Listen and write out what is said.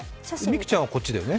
美空ちゃんはこっちだよね。